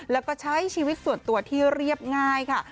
แล้วก็ใช้ชีวิตส่วนตัวที่เรียบง่ายค่ะ